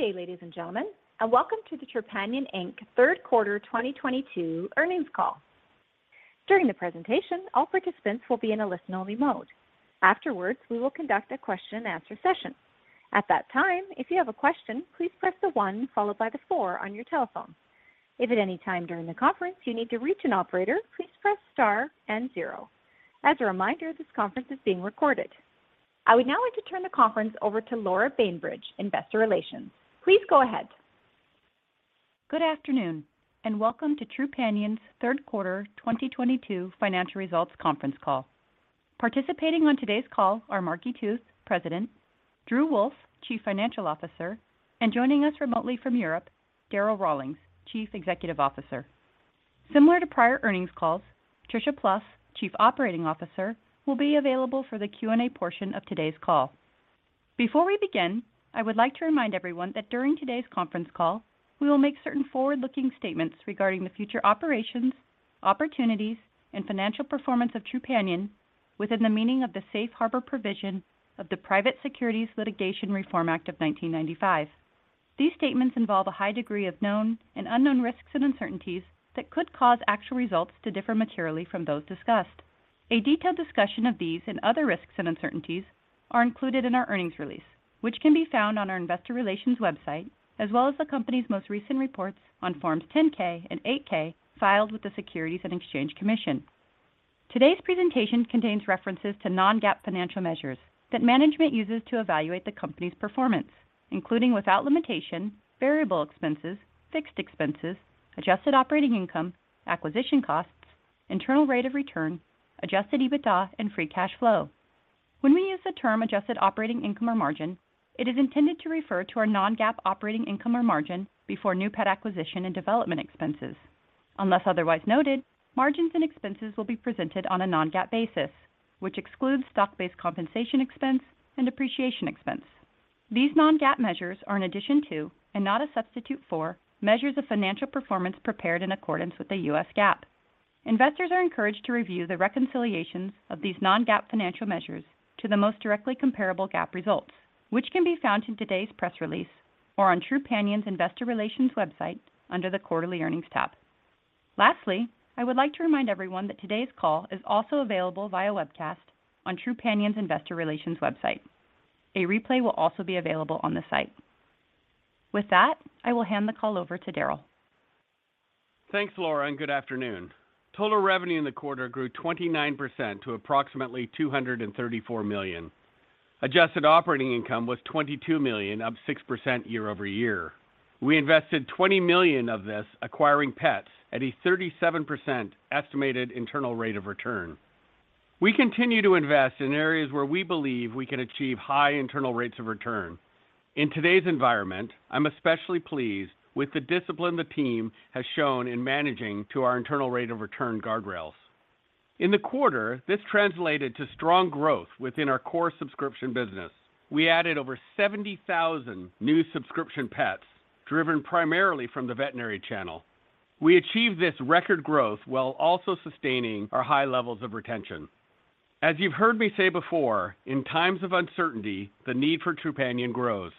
Good day, ladies and gentlemen, and welcome to the Trupanion, Inc. third quarter 2022 earnings call. During the presentation, all participants will be in a listen-only mode. Afterwards, we will conduct a question-and-answer session. At that time, if you have a question, please press the one followed by the four on your telephone. If at any time during the conference you need to reach an operator, please press star and zero. As a reminder, this conference is being recorded. I would now like to turn the conference over to Laura Bainbridge, Investor Relations. Please go ahead. Good afternoon and welcome to Trupanion's third quarter 2022 financial results conference call. Participating on today's call are Margi Tooth, President, Drew Wolff, Chief Financial Officer, and joining us remotely from Europe, Darryl Rawlings, Chief Executive Officer. Similar to prior earnings calls, Tricia Plouf, Chief Operating Officer, will be available for the Q&A portion of today's call. Before we begin, I would like to remind everyone that during today's conference call, we will make certain forward-looking statements regarding the future operations, opportunities, and financial performance of Trupanion within the meaning of the Safe Harbor provision of the Private Securities Litigation Reform Act of 1995. These statements involve a high degree of known and unknown risks and uncertainties that could cause actual results to differ materially from those discussed. A detailed discussion of these and other risks and uncertainties are included in our earnings release, which can be found on our investor relations website, as well as the company's most recent reports on Form 10-K and Form 8-K filed with the Securities and Exchange Commission. Today's presentation contains references to non-GAAP financial measures that management uses to evaluate the company's performance, including without limitation, variable expenses, fixed expenses, adjusted operating income, acquisition costs, internal rate of return, adjusted EBITDA, and free cash flow. When we use the term adjusted operating income or margin, it is intended to refer to our non-GAAP operating income or margin before new pet acquisition and development expenses. Unless otherwise noted, margins and expenses will be presented on a non-GAAP basis, which excludes stock-based compensation expense and depreciation expense. These non-GAAP measures are in addition to, and not a substitute for, measures of financial performance prepared in accordance with the U.S. GAAP. Investors are encouraged to review the reconciliations of these non-GAAP financial measures to the most directly comparable GAAP results, which can be found in today's press release or on Trupanion's investor relations website under the quarterly earnings tab. Lastly, I would like to remind everyone that today's call is also available via webcast on Trupanion's investor relations website. A replay will also be available on the site. With that, I will hand the call over to Darryl. Thanks, Laura, and good afternoon. Total revenue in the quarter grew 29% to approximately $234 million. Adjusted operating income was $22 million, up 6% year-over-year. We invested $20 million of this acquiring pets at a 37% estimated internal rate of return. We continue to invest in areas where we believe we can achieve high internal rates of return. In today's environment, I'm especially pleased with the discipline the team has shown in managing to our internal rate of return guardrails. In the quarter, this translated to strong growth within our core subscription business. We added over 70,000 new subscription pets, driven primarily from the veterinary channel. We achieved this record growth while also sustaining our high levels of retention. As you've heard me say before, in times of uncertainty, the need for Trupanion grows.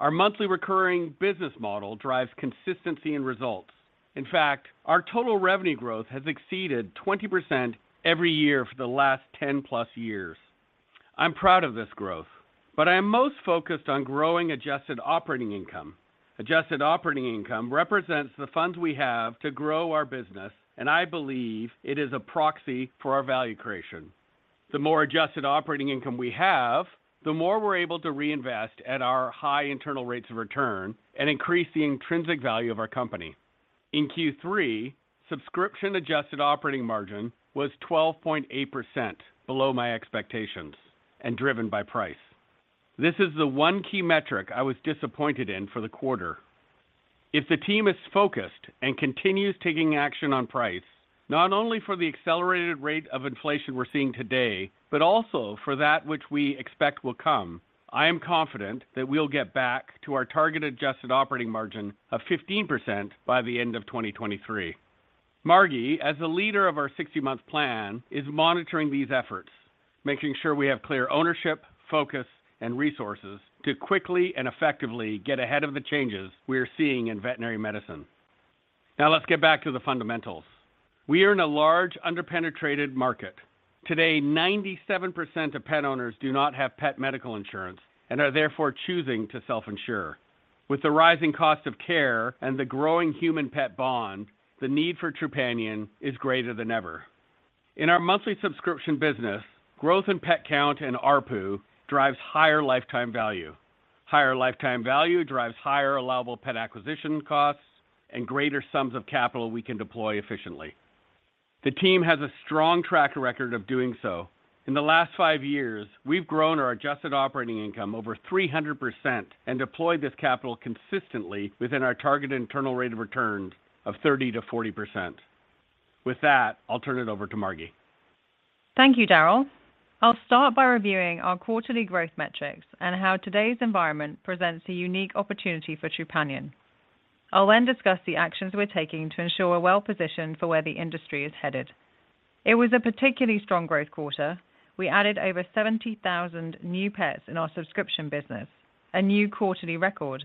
Our monthly recurring business model drives consistency in results. In fact, our total revenue growth has exceeded 20% every year for the last 10+ years. I'm proud of this growth, but I am most focused on growing adjusted operating income. Adjusted operating income represents the funds we have to grow our business, and I believe it is a proxy for our value creation. The more adjusted operating income we have, the more we're able to reinvest at our high internal rates of return and increase the intrinsic value of our company. In Q3, subscription adjusted operating margin was 12.8% below my expectations and driven by price. This is the one key metric I was disappointed in for the quarter. If the team is focused and continues taking action on price, not only for the accelerated rate of inflation we're seeing today, but also for that which we expect will come, I am confident that we'll get back to our target adjusted operating margin of 15% by the end of 2023. Margi, as the leader of our 60-month plan, is monitoring these efforts, making sure we have clear ownership, focus and resources to quickly and effectively get ahead of the changes we are seeing in veterinary medicine. Now let's get back to the fundamentals. We are in a large under-penetrated market. Today, 97% of pet owners do not have pet medical insurance and are therefore choosing to self-insure. With the rising cost of care and the growing human pet bond, the need for Trupanion is greater than ever. In our monthly subscription business, growth in pet count and ARPU drives higher lifetime value. Higher lifetime value drives higher allowable pet acquisition costs and greater sums of capital we can deploy efficiently. The team has a strong track record of doing so. In the last five years, we've grown our adjusted operating income over 300% and deployed this capital consistently within our target internal rate of return of 30%-40%. With that, I'll turn it over to Margi. Thank you, Darryl. I'll start by reviewing our quarterly growth metrics and how today's environment presents a unique opportunity for Trupanion. I'll then discuss the actions we're taking to ensure we're well-positioned for where the industry is headed. It was a particularly strong growth quarter. We added over 70,000 new pets in our subscription business, a new quarterly record.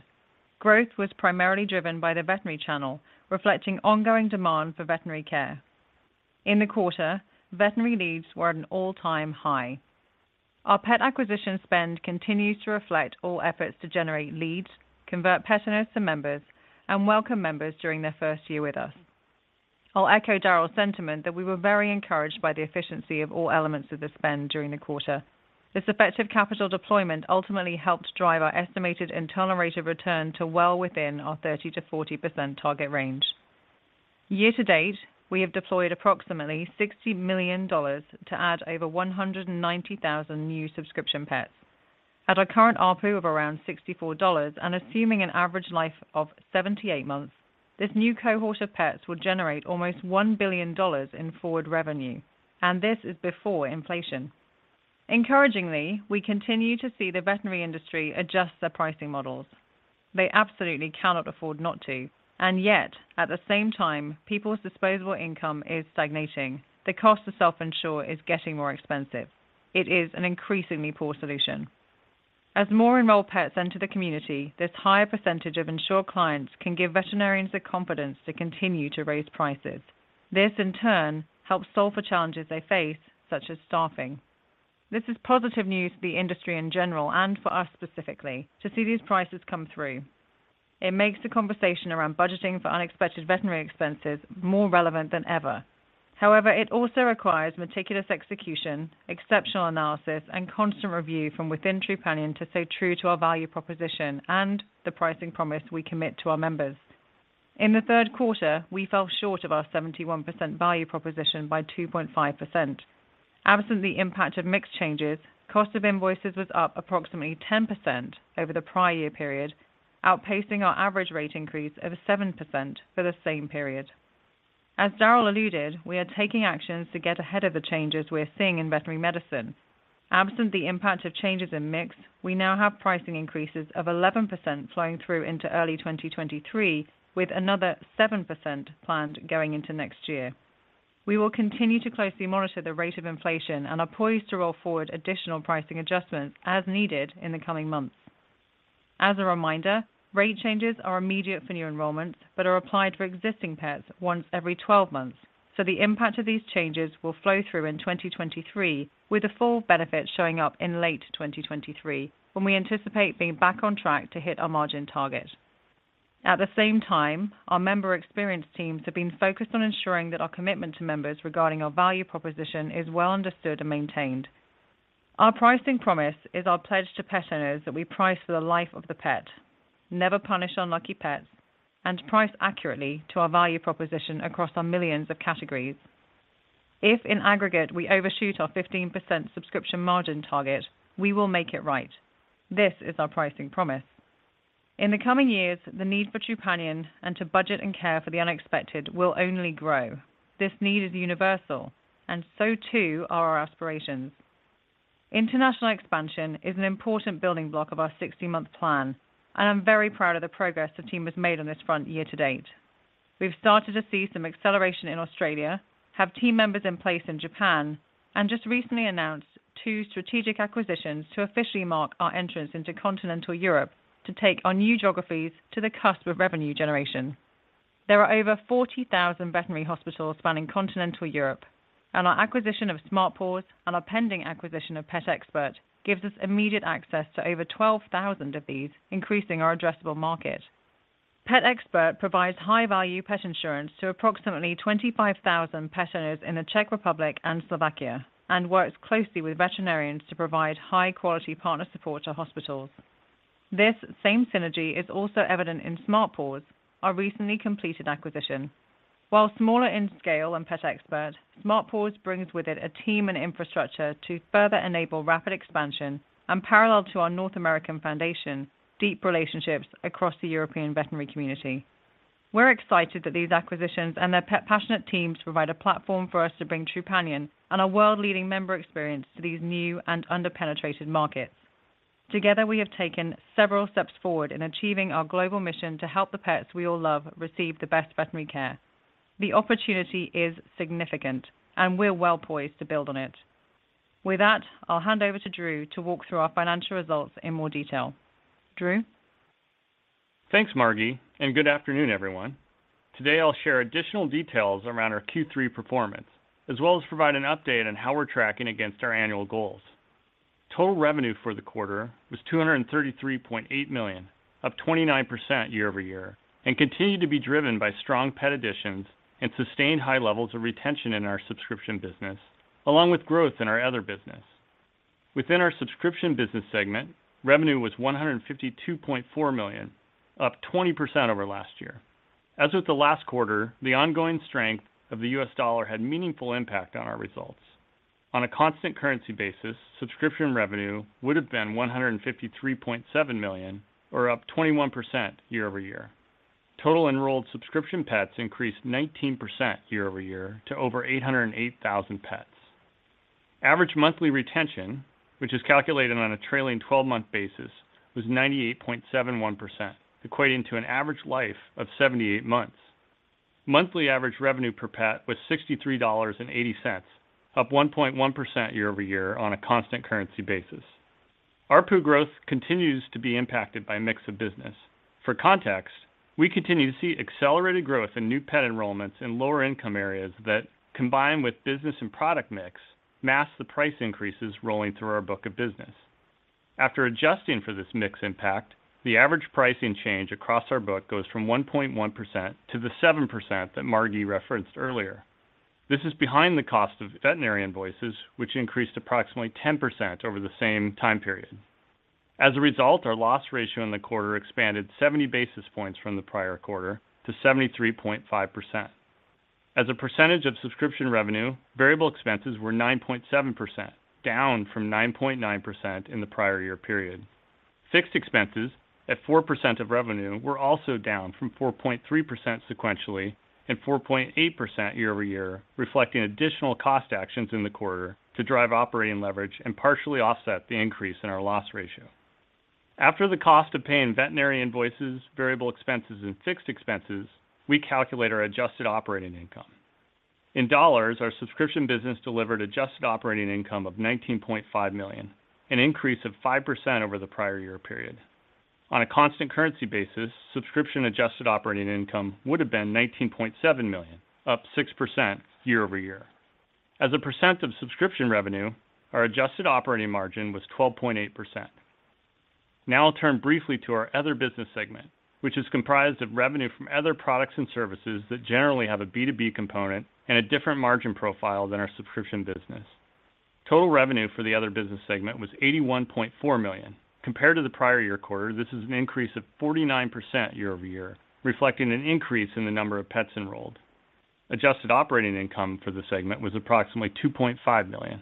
Growth was primarily driven by the veterinary channel, reflecting ongoing demand for veterinary care. In the quarter, veterinary leads were at an all-time high. Our pet acquisition spend continues to reflect all efforts to generate leads, convert pet owners to members, and welcome members during their first year with us. I'll echo Darryl's sentiment that we were very encouraged by the efficiency of all elements of the spend during the quarter. This effective capital deployment ultimately helped drive our estimated internal rate of return to well within our 30%-40% target range. Year-to-date, we have deployed approximately $60 million to add over 190,000 new subscription pets. At our current ARPU of around $64 and assuming an average life of 78 months, this new cohort of pets will generate almost $1 billion in forward revenue, and this is before inflation. Encouragingly, we continue to see the veterinary industry adjust their pricing models. They absolutely cannot afford not to, and yet, at the same time, people's disposable income is stagnating. The cost to self-insure is getting more expensive. It is an increasingly poor solution. As more enrolled pets enter the community, this higher percentage of insured clients can give veterinarians the confidence to continue to raise prices. This, in turn, helps solve the challenges they face, such as staffing. This is positive news for the industry in general, and for us specifically, to see these prices come through. It makes the conversation around budgeting for unexpected veterinary expenses more relevant than ever. However, it also requires meticulous execution, exceptional analysis, and constant review from within Trupanion to stay true to our value proposition and the pricing promise we commit to our members. In the third quarter, we fell short of our 71% value proposition by 2.5%. Absent the impact of mix changes, cost of invoices was up approximately 10% over the prior year period, outpacing our average rate increase of 7% for the same period. As Darryl alluded, we are taking actions to get ahead of the changes we're seeing in veterinary medicine. Absent the impact of changes in mix, we now have pricing increases of 11% flowing through into early 2023, with another 7% planned going into next year. We will continue to closely monitor the rate of inflation and are poised to roll forward additional pricing adjustments as needed in the coming months. As a reminder, rate changes are immediate for new enrollments but are applied for existing pets once every 12 months, so the impact of these changes will flow through in 2023, with the full benefit showing up in late 2023 when we anticipate being back on track to hit our margin target. At the same time, our member experience teams have been focused on ensuring that our commitment to members regarding our value proposition is well understood and maintained. Our pricing promise is our pledge to pet owners that we price for the life of the pet, never punish unlucky pets, and price accurately to our value proposition across our millions of categories. If in aggregate, we overshoot our 15% subscription margin target, we will make it right. This is our pricing promise. In the coming years, the need for Trupanion and to budget and care for the unexpected will only grow. This need is universal, and so too are our aspirations. International expansion is an important building block of our 60-month plan, and I'm very proud of the progress the team has made on this front year-to-date. We've started to see some acceleration in Australia, have team members in place in Japan, and just recently announced two strategic acquisitions to officially mark our entrance into continental Europe to take our new geographies to the cusp of revenue generation. There are over 40,000 veterinary hospitals spanning continental Europe, and our acquisition of Smart Paws and our pending acquisition of PetExpert gives us immediate access to over 12,000 of these, increasing our addressable market. PetExpert provides high-value pet insurance to approximately 25,000 pet owners in the Czech Republic and Slovakia and works closely with veterinarians to provide high-quality partner support to hospitals. This same synergy is also evident in Smart Paws, our recently completed acquisition. While smaller in scale than PetExpert, Smart Paws brings with it a team and infrastructure to further enable rapid expansion and parallel to our North American foundation, deep relationships across the European veterinary community. We're excited that these acquisitions and their pet passionate teams provide a platform for us to bring Trupanion and our world-leading member experience to these new and under-penetrated markets. Together, we have taken several steps forward in achieving our global mission to help the pets we all love receive the best veterinary care. The opportunity is significant, and we're well-poised to build on it. With that, I'll hand over to Drew to walk through our financial results in more detail. Drew? Thanks, Margi, and good afternoon, everyone. Today, I'll share additional details around our Q3 performance, as well as provide an update on how we're tracking against our annual goals. Total revenue for the quarter was $233.8 million, up 29% year-over-year, and continued to be driven by strong pet additions and sustained high levels of retention in our subscription business, along with growth in our other business. Within our subscription business segment, revenue was $152.4 million, up 20% over last year. As with the last quarter, the ongoing strength of the U.S. dollar had meaningful impact on our results. On a constant currency basis, subscription revenue would have been $153.7 million or up 21% year-over-year. Total enrolled subscription pets increased 19% year-over-year to over 808,000 pets. Average monthly retention, which is calculated on a trailing 12-month basis, was 98.71%, equating to an average life of 78 months. Monthly average revenue per pet was $63.80, up 1.1% year-over-year on a constant currency basis. ARPU growth continues to be impacted by mix of business. For context, we continue to see accelerated growth in new pet enrollments in lower income areas that, combined with business and product mix, mask the price increases rolling through our book of business. After adjusting for this mix impact, the average pricing change across our book goes from 1.1% to the 7% that Margi referenced earlier. This is behind the cost of veterinary invoices, which increased approximately 10% over the same time period. As a result, our loss ratio in the quarter expanded 70 basis points from the prior quarter to 73.5%. As a percentage of subscription revenue, variable expenses were 9.7%, down from 9.9% in the prior year period. Fixed expenses at 4% of revenue were also down from 4.3% sequentially and 4.8% year-over-year, reflecting additional cost actions in the quarter to drive operating leverage and partially offset the increase in our loss ratio. After the cost of paying veterinary invoices, variable expenses, and fixed expenses, we calculate our adjusted operating income. In dollars, our subscription business delivered adjusted operating income of $19.5 million, an increase of 5% over the prior year period. On a constant currency basis, subscription adjusted operating income would have been $19.7 million, up 6% year-over-year. As a percent of subscription revenue, our adjusted operating margin was 12.8%. Now I'll turn briefly to our other business segment, which is comprised of revenue from other products and services that generally have a B2B component and a different margin profile than our subscription business. Total revenue for the other business segment was $81.4 million. Compared to the prior year quarter, this is an increase of 49% year-over-year, reflecting an increase in the number of pets enrolled. Adjusted operating income for the segment was approximately $2.5 million.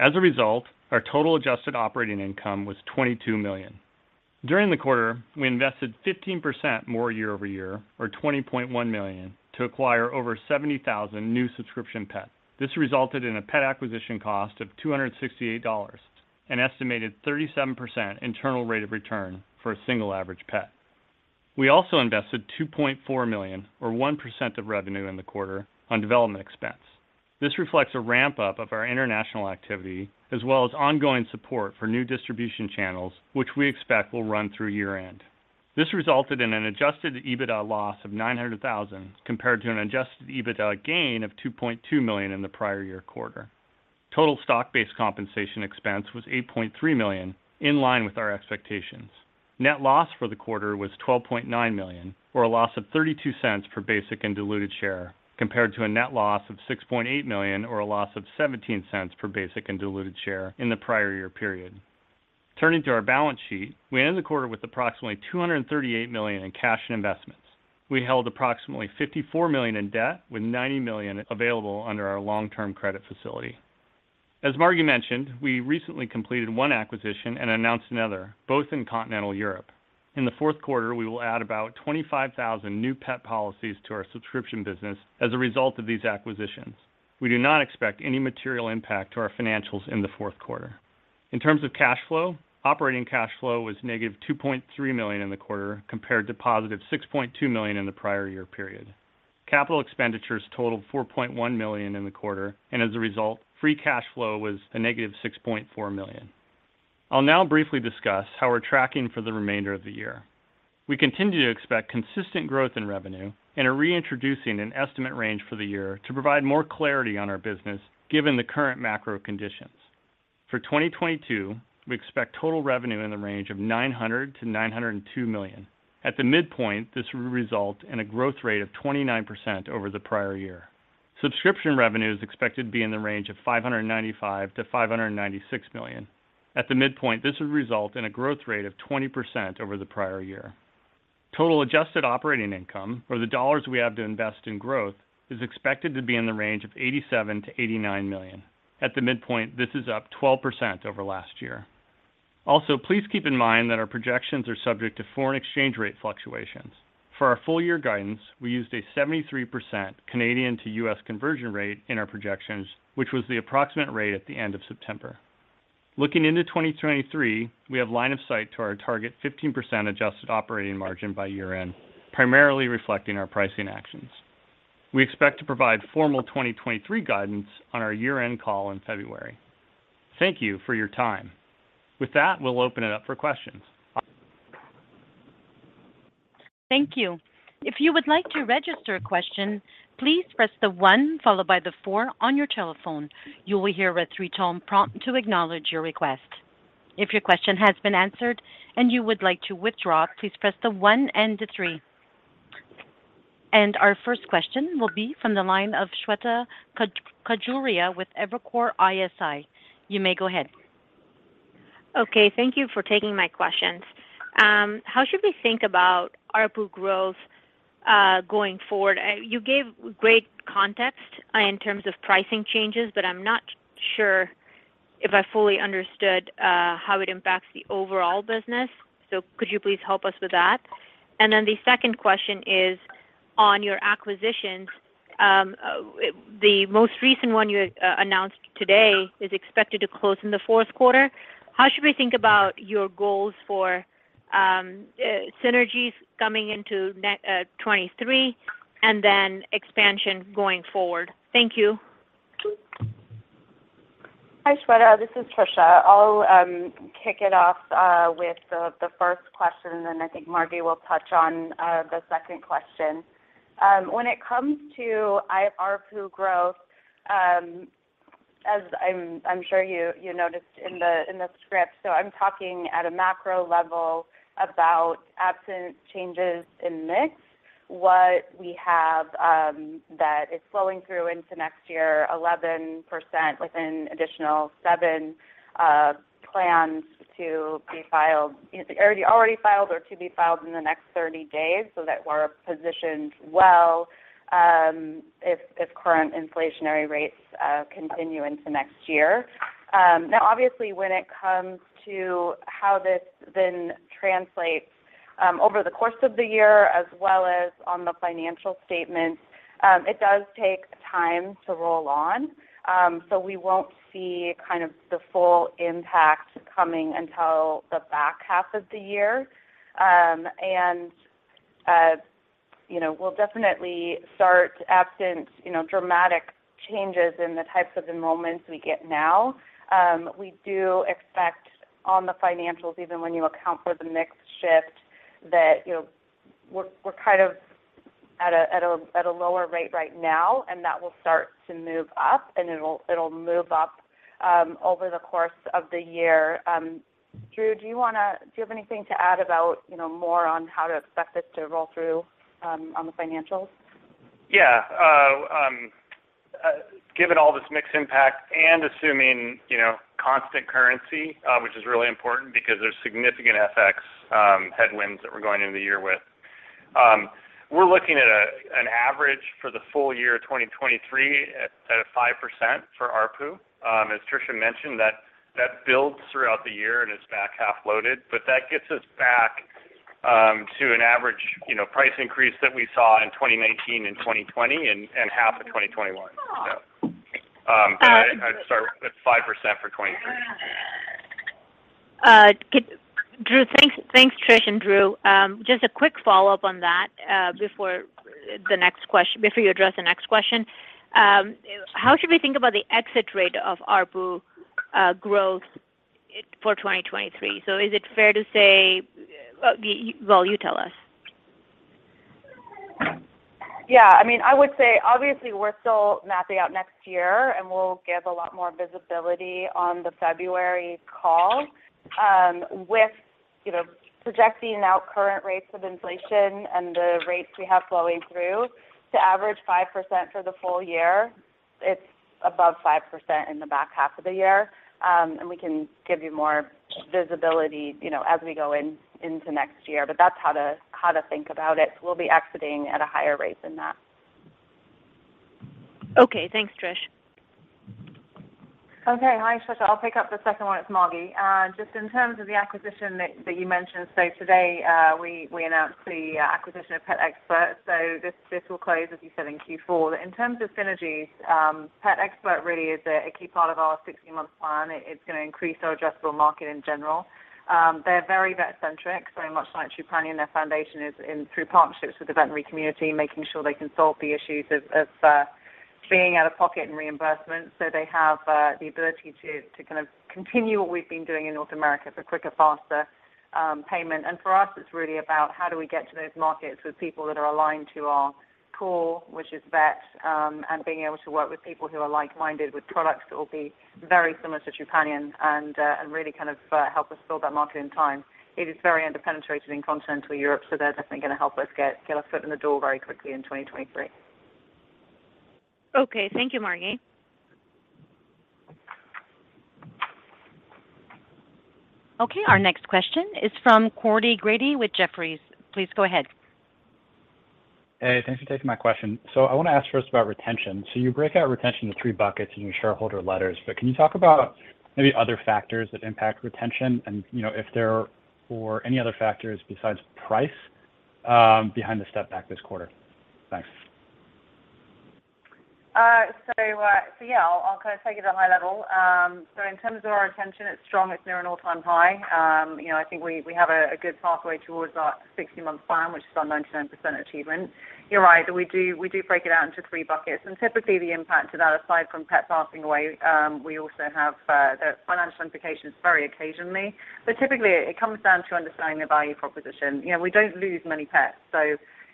As a result, our total adjusted operating income was $22 million. During the quarter, we invested 15% more year-over-year or $20.1 million to acquire over 70,000 new subscription pets. This resulted in a pet acquisition cost of $268, an estimated 37% internal rate of return for a single average pet. We also invested $2.4 million or 1% of revenue in the quarter on development expense. This reflects a ramp-up of our international activity as well as ongoing support for new distribution channels, which we expect will run through year-end. This resulted in an adjusted EBITDA loss of $900,000 compared to an adjusted EBITDA gain of $2.2 million in the prior year quarter. Total stock-based compensation expense was $8.3 million, in line with our expectations. Net loss for the quarter was $12.9 million or a loss of $0.32 per basic and diluted share, compared to a net loss of $6.8 million or a loss of $0.17 per basic and diluted share in the prior year period. Turning to our balance sheet, we ended the quarter with approximately $238 million in cash and investments. We held approximately $54 million in debt with $90 million available under our long-term credit facility. As Margie mentioned, we recently completed one acquisition and announced another, both in continental Europe. In the fourth quarter, we will add about 25,000 new pet policies to our subscription business as a result of these acquisitions. We do not expect any material impact to our financials in the fourth quarter. In terms of cash flow, operating cash flow was -$2.3 million in the quarter compared to $6.2 million in the prior year period. Capital expenditures totaled $4.1 million in the quarter, and as a result, free cash flow was -$6.4 million. I'll now briefly discuss how we're tracking for the remainder of the year. We continue to expect consistent growth in revenue and are reintroducing an estimate range for the year to provide more clarity on our business given the current macro conditions. For 2022, we expect total revenue in the range of $900 million-$902 million. At the midpoint, this will result in a growth rate of 29% over the prior year. Subscription revenue is expected to be in the range of $595 million-$596 million. At the midpoint, this would result in a growth rate of 20% over the prior year. Total adjusted operating income or the dollars we have to invest in growth is expected to be in the range of $87 million-$89 million. At the midpoint, this is up 12% over last year. Please keep in mind that our projections are subject to foreign exchange rate fluctuations. For our full year guidance, we used a 73% Canadian to U.S. conversion rate in our projections, which was the approximate rate at the end of September. Looking into 2023, we have line of sight to our target 15% adjusted operating margin by year-end, primarily reflecting our pricing actions. We expect to provide formal 2023 guidance on our year-end call in February. Thank you for your time. With that, we'll open it up for questions. Thank you. If you would like to register a question, please press the one followed by the four on your telephone. You will hear a three-tone prompt to acknowledge your request. If your question has been answered and you would like to withdraw, please press the one and the three. Our first question will be from the line of Shweta Khajuria with Evercore ISI. You may go ahead. Okay. Thank you for taking my questions. How should we think about ARPU growth, going forward? You gave great context in terms of pricing changes, but I'm not sure if I fully understood, how it impacts the overall business. Could you please help us with that? The second question is on your acquisitions, the most recent one you announced today is expected to close in the fourth quarter. How should we think about your goals for synergies coming into 2023 and then expansion going forward? Thank you. Hi, Shweta. This is Tricia. I'll kick it off with the first question, and then I think Margi will touch on the second question. When it comes to ARPU growth, as I'm sure you noticed in the script, so I'm talking at a macro level about absent changes in mix, what we have that is flowing through into next year, 11% with an additional seven plans to be filed, either already filed or to be filed in the next 30 days so that we're positioned well, if current inflationary rates continue into next year. Now obviously, when it comes to how this then translates over the course of the year as well as on the financial statements, it does take time to roll on. We won't see kind of the full impact coming until the back half of the year. You know, we'll definitely start, absent you know, dramatic changes in the types of enrollments we get now. We do expect on the financials, even when you account for the mix shift that, you know, we're kind of at a lower rate right now, and that will start to move up, and it'll move up over the course of the year. Drew, do you have anything to add about, you know, more on how to expect this to roll through on the financials? Yeah. Given all this mix impact and assuming, you know, constant currency, which is really important because there's significant FX headwinds that we're going into the year with, we're looking at an average for the full year 2023 at a 5% for ARPU. As Tricia mentioned, that builds throughout the year and is back half loaded. But that gets us back to an average, you know, price increase that we saw in 2019 and 2020 and half of 2021, so. Oh. I'm sorry. It's 5% for 2023. Drew, thanks. Thanks, Trish and Drew. Just a quick follow-up on that, before you address the next question. How should we think about the exit rate of ARPU growth for 2023? Is it fair to say, well, you tell us. Yeah. I mean, I would say, obviously, we're still mapping out next year, and we'll give a lot more visibility on the February call. With, you know, projecting out current rates of inflation and the rates we have flowing through to average 5% for the full year, it's above 5% in the back half of the year. And we can give you more visibility, you know, as we go in, into next year. That's how to think about it. We'll be exiting at a higher rate than that. Okay. Thanks, Trish. Hi, Shweta. I'll pick up the second one. It's Margi. Just in terms of the acquisition that you mentioned. Today, we announced the acquisition of PetExpert, so this will close, as you said, in Q4. In terms of synergies, PetExpert really is a key part of our 60-month plan. It's gonna increase our addressable market in general. They're very vet-centric, very much like Trupanion. Their foundation is through partnerships with the veterinary community, making sure they can solve the issues of being out-of-pocket and reimbursement. They have the ability to kind of continue what we've been doing in North America for quicker, faster payment. For us, it's really about how do we get to those markets with people that are aligned to our core, which is vet, and being able to work with people who are like-minded with products that will be very similar to Trupanion and really kind of help us build that market in time. It is very under-penetrated in Continental Europe, so they're definitely gonna help us get our foot in the door very quickly in 2023. Okay. Thank you, Margi. Okay. Our next question is from Corey Grady with Jefferies. Please go ahead. Hey, thanks for taking my question. I wanna ask first about retention. You break out retention in three buckets in your shareholder letters, but can you talk about maybe other factors that impact retention and, you know, if there were any other factors besides price behind the step back this quarter? Thanks. Yeah, I'll kind of take it at a high level. In terms of our retention, it's strong. It's near an all-time high. You know, I think we have a good pathway towards our 60-month plan, which is our 9%-10% achievement. You're right. We do break it out into three buckets. Typically, the impact to that, aside from pets passing away, we also have the financial implications very occasionally. Typically, it comes down to understanding the value proposition. You know, we don't lose many pets.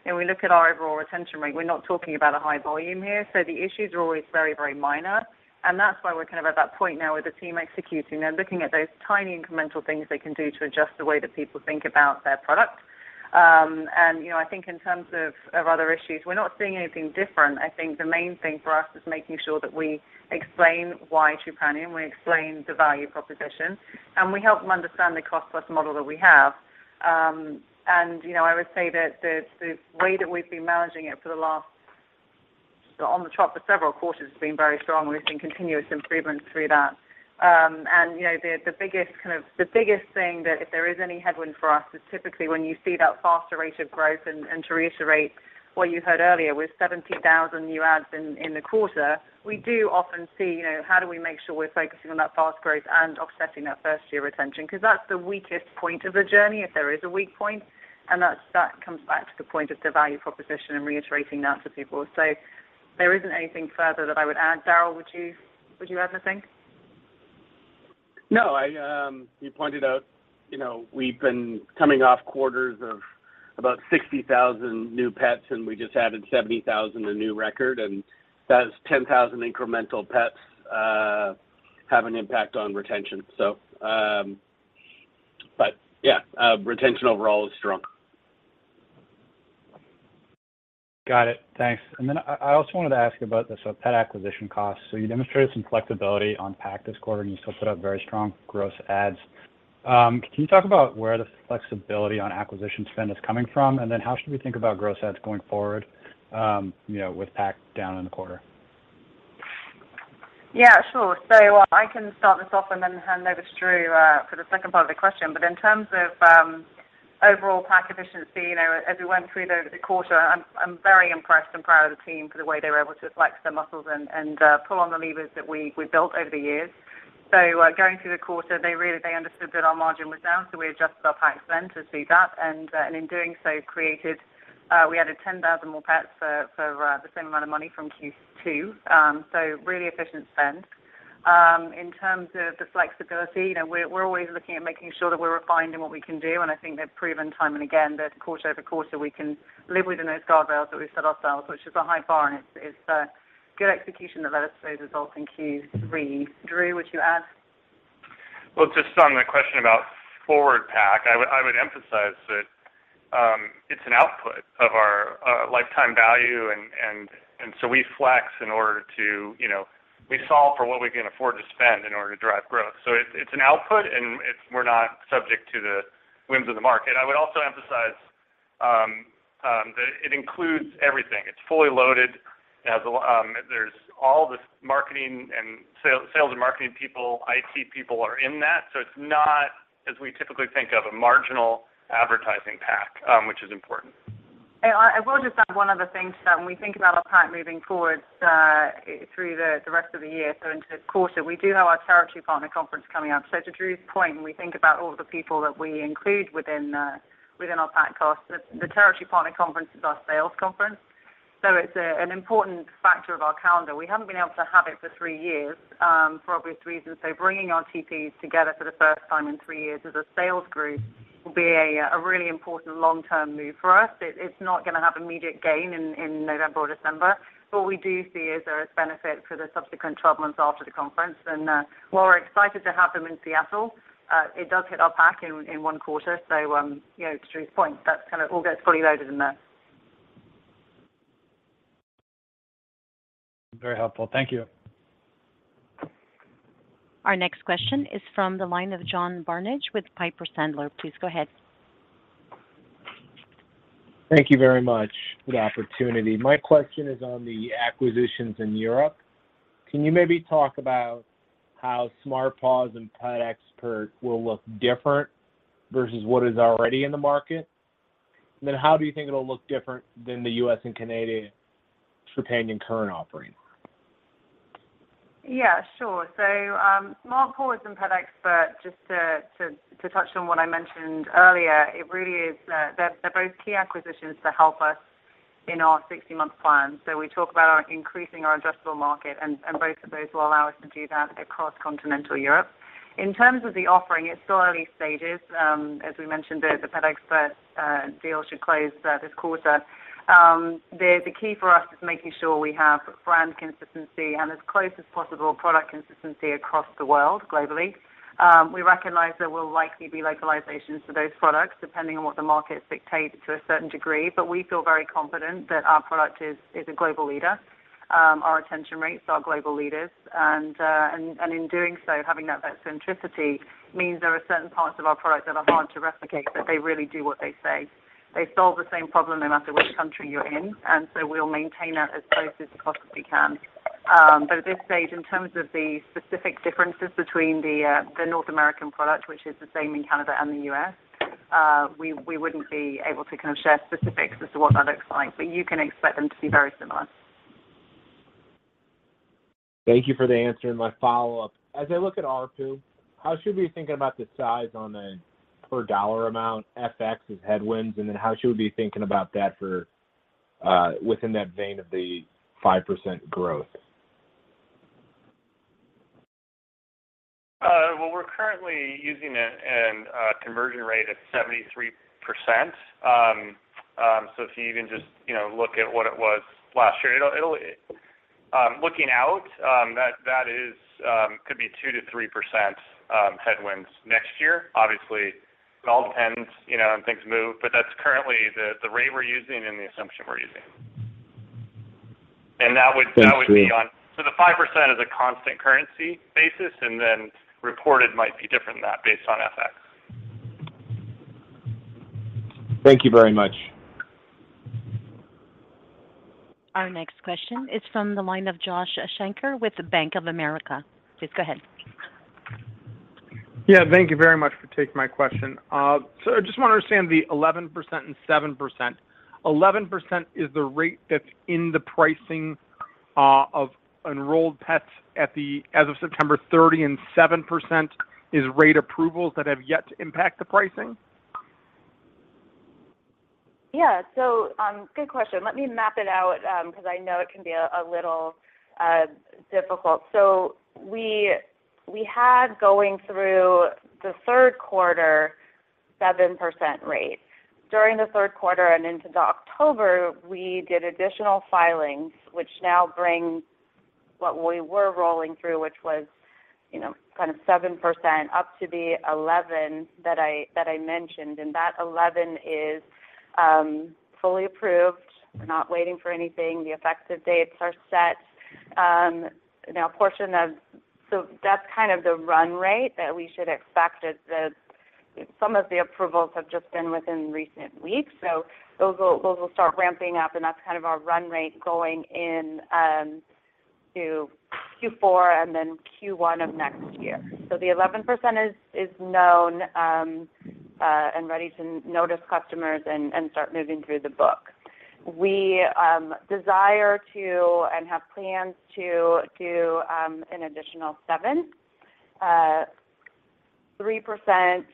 You know, we look at our overall retention rate. We're not talking about a high volume here. The issues are always very, very minor. That's why we're kind of at that point now with the team executing. They're looking at those tiny incremental things they can do to adjust the way that people think about their product. You know, I think in terms of other issues, we're not seeing anything different. I think the main thing for us is making sure that we explain why Trupanion, we explain the value proposition, and we help them understand the cost-plus model that we have. You know, I would say that the way that we've been managing it for the last several quarters has been very strong, and we've seen continuous improvement through that. You know, the biggest thing that if there is any headwind for us is typically when you see that faster rate of growth. To reiterate what you heard earlier, with 70,000 new adds in the quarter, we do often see, you know, how do we make sure we're focusing on that fast growth and offsetting that first-year retention. 'Cause that's the weakest point of the journey, if there is a weak point, and that comes back to the point of the value proposition and reiterating that to people. There isn't anything further that I would add. Darryl, would you add anything? No. You pointed out, you know, we've been coming off quarters of about 60,000 new pets, and we just added 70,000, a new record, and that is 10,000 incremental pets have an impact on retention. Retention overall is strong. Got it. Thanks. I also wanted to ask about the pet acquisition costs. You demonstrated some flexibility on PAC this quarter, and you still put up very strong gross adds. Can you talk about where the flexibility on acquisition spend is coming from? How should we think about gross adds going forward, you know, with PAC down in the quarter? Yeah, sure. I can start this off and then hand over to Drew for the second part of the question. In terms of overall PAC efficiency, you know, as we went through the quarter, I'm very impressed and proud of the team for the way they were able to flex their muscles and pull on the levers that we built over the years. Going through the quarter, they understood that our margin was down, so we adjusted our PAC spend to suit that, and in doing so, we added 10,000 more pets for the same amount of money from Q2. Really efficient spend. In terms of the flexibility, you know, we're always looking at making sure that we're refined in what we can do, and I think they've proven time and again that quarter-over-quarter, we can live within those guardrails that we've set ourselves, which is a high bar, and it's good execution that led us to those results in Q3. Drew, would you add? Well, just on the question about forward PAC, I would emphasize that it's an output of our lifetime value and so we flex in order to. You know, we solve for what we can afford to spend in order to drive growth. It, it's an output, and it's. We're not subject to the whims of the market. I would also emphasize that it includes everything. It's fully loaded. It has a lot. There's all the marketing and sales and marketing people, IT people are in that. It's not as we typically think of a marginal advertising PAC, which is important. I will just add one other thing to that. When we think about our PAC moving forward, through the rest of the year, so into this quarter, we do have our Territory Partner Conference coming up. To Drew's point, when we think about all the people that we include within our PAC costs, the Territory Partner Conference is our sales conference, so it's an important factor of our calendar. We haven't been able to have it for three years, for obvious reasons. Bringing our TPs together for the first time in three years as a sales group will be a really important long-term move for us. It's not gonna have immediate gain in November or December, but what we do see is there is benefit for the subsequent 12 months after the conference. While we're excited to have them in Seattle, it does hit our PAC in one quarter. You know, to Drew's point, that kind of all gets fully loaded in there. Very helpful. Thank you. Our next question is from the line of John Barnidge with Piper Sandler. Please go ahead. Thank you very much for the opportunity. My question is on the acquisitions in Europe. Can you maybe talk about how Smart Paws and PetExpert will look different versus what is already in the market? How do you think it'll look different than the U.S. and Canadian Chewy companion current offering? Yeah, sure. Smart Paws and PetExpert, just to touch on what I mentioned earlier, they're both key acquisitions to help us in our 60-month plan. We talk about increasing our addressable market, and both of those will allow us to do that across continental Europe. In terms of the offering, it's still early stages. As we mentioned, the PetExpert deal should close this quarter. The key for us is making sure we have brand consistency and as close as possible product consistency across the world globally. We recognize there will likely be localizations to those products depending on what the markets dictate to a certain degree. We feel very confident that our product is a global leader. Our retention rates are global leaders. In doing so, having that centricity means there are certain parts of our product that are hard to replicate, but they really do what they say. They solve the same problem no matter which country you're in, and so we'll maintain that as close as possible we can. At this stage, in terms of the specific differences between the North American product, which is the same in Canada and the U.S., we wouldn't be able to kind of share specifics as to what that looks like, but you can expect them to be very similar. Thank you for the answer. My follow-up: As I look at ARPU, how should we be thinking about the size on the per dollar amount, FX as headwinds, and then how should we be thinking about that for, within that vein of the 5% growth? Well, we're currently using a conversion rate of 73%. If you even just, you know, look at what it was last year, it'll. Looking out, that could be 2%-3% headwinds next year. Obviously, it all depends, you know, and things move, but that's currently the rate we're using and the assumption we're using. That would be on- Thanks, Drew. The 5% is a constant currency basis, and then reported might be different than that based on FX. Thank you very much. Our next question is from the line of Josh Shanker with Bank of America. Please go ahead. Yeah. Thank you very much for taking my question. So I just wanna understand the 11% and 7%. 11% is the rate that's in the pricing of enrolled pets as of September 30, and 7% is rate approvals that have yet to impact the pricing? Yeah. Good question. Let me map it out, because I know it can be a little difficult. We had going through the third quarter 7% rate. During the third quarter and into October, we did additional filings, which now bring what we were rolling through, which was, you know, kind of 7% up to the 11% that I mentioned. That 11% is fully approved. We're not waiting for anything. The effective dates are set. Now a portion of. That's kind of the run rate that we should expect. Some of the approvals have just been within recent weeks, so those will start ramping up, and that's kind of our run rate going into Q4 and then Q1 of next year. The 11% is known and ready to notify customers and start moving through the book. We desire to and have plans to do an additional 7%. 3%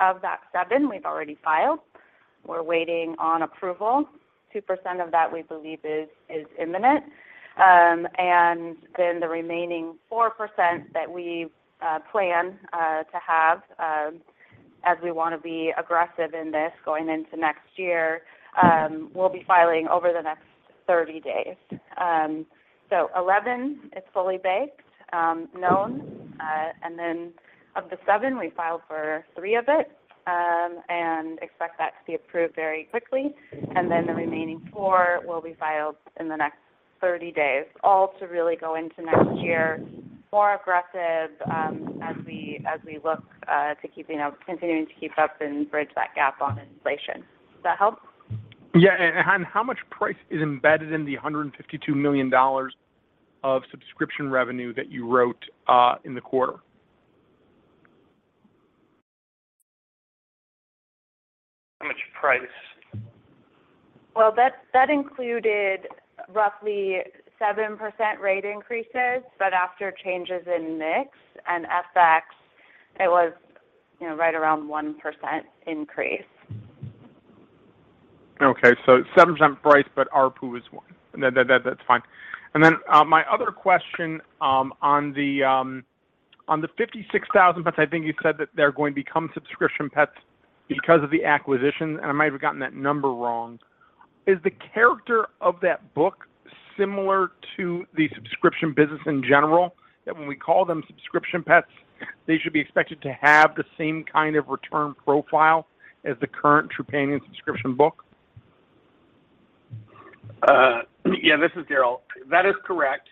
of that 7% we've already filed. We're waiting on approval. 2% of that we believe is imminent. And then the remaining 4% that we plan to have, as we wanna be aggressive in this going into next year, we'll be filing over the next 30 days. 11% is fully baked, known. And then of the 7%, we filed for 3% of it and expect that to be approved very quickly. The remaining 4% will be filed in the next 30 days, all to really go into next year more aggressive, as we look to keeping up, continuing to keep up and bridge that gap on inflation. Does that help? How much price is embedded in the $152 million of subscription revenue that you wrote in the quarter? How much price? Well, that included roughly 7% rate increases. After changes in mix and FX, it was, you know, right around 1% increase. Okay. Seven percent price, but ARPU is 1%. That's fine. Then, my other question, on the 56,000 pets, I think you said that they're going to become subscription pets because of the acquisition, and I might have gotten that number wrong. Is the character of that book similar to the subscription business in general? That when we call them subscription pets, they should be expected to have the same kind of return profile as the current Trupanion subscription book? Yeah, this is Darryl. That is correct.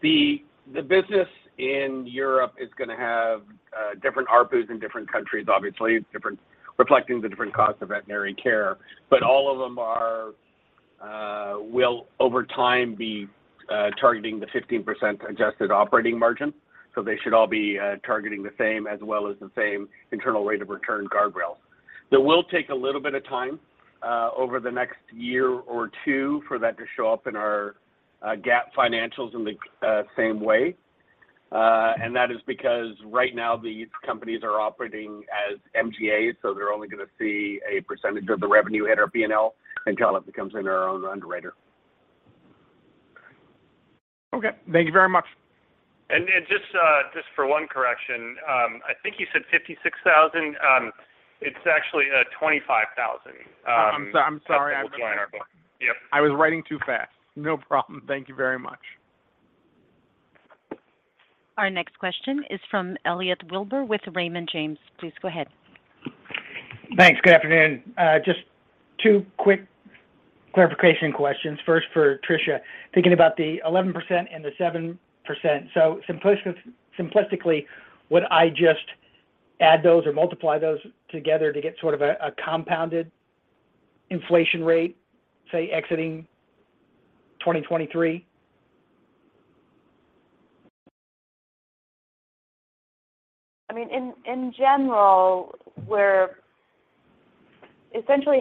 The business in Europe is gonna have different ARPUs in different countries, obviously, different, reflecting the different costs of veterinary care. All of them will over time be targeting the 15% adjusted operating margin. They should all be targeting the same as well as the same internal rate of return guardrail. That will take a little bit of time over the next year or two for that to show up in our GAAP financials in the same way. That is because right now these companies are operating as MGAs, so they're only gonna see a percentage of the revenue hit our P&L until it becomes our own underwriter. Okay. Thank you very much. Just for one correction, I think you said 56,000. It's actually 25,000. I'm sorry. That's what will join our book. Yep. I was writing too fast. No problem. Thank you very much. Our next question is from Elliot Wilbur with Raymond James. Please go ahead. Thanks. Good afternoon. Just two quick clarification questions. First for Tricia, thinking about the 11% and the 7%. Simplistically, would I just add those or multiply those together to get sort of a compounded inflation rate, say, exiting 2023? I mean, in general, we're essentially